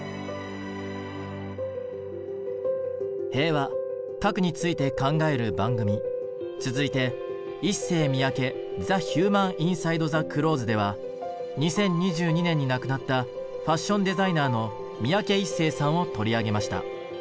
平和核について考える番組続いて「ＩＳＳＥＹＭＩＹＡＫＥＴｈｅＨｕｍａｎＩｎｓｉｄｅｔｈｅＣｌｏｔｈｅｓ」では２０２２年に亡くなったファッションデザイナーの三宅一生さんを取り上げました。